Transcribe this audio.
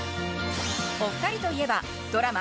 お二人といえばドラマ